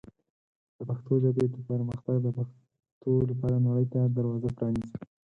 د پښتو ژبې پرمختګ د پښتو لپاره نړۍ ته دروازه پرانیزي.